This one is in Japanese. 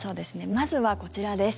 まずはこちらです。